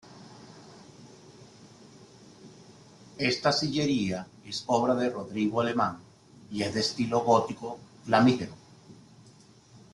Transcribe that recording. Esta sillería es obra de Rodrigo Alemán y es de estilo gótico flamígero.